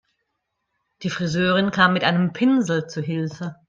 Die Friseurin kam mit einem Pinsel zu Hilfe.